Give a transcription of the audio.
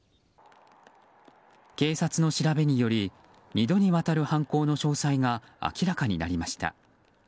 警察の調べにより２度にわたる犯行の詳細が明らかになりました。